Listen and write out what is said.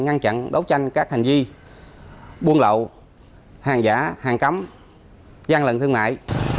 ngăn chặn đấu tranh các hành vi buôn lậu hàng giả hàng cấm gian lận thương mại